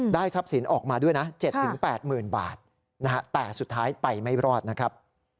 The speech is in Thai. ทรัพย์สินออกมาด้วยนะ๗๘๐๐๐บาทนะฮะแต่สุดท้ายไปไม่รอดนะครับ